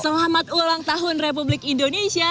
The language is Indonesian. selamat ulang tahun republik indonesia